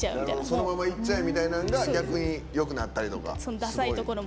そのままいっちゃえみたいなのがよくなったりとか。